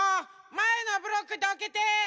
まえのブロックどけて！